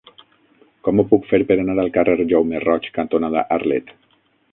Com ho puc fer per anar al carrer Jaume Roig cantonada Arlet?